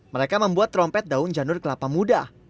mereka membuat trompet daun janur kelapa muda